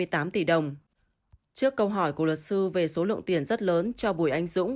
trước câu hỏi của luật sư về số lượng tiền rất lớn cho bùi anh dũng